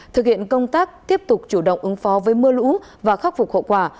thực hiện công tác tiếp tục chủ động ứng phó với mưa lũ và khắc phục hậu quả